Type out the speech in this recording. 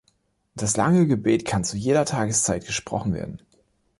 Das lange Gebet kann zu jeder Tageszeit gesprochen werden.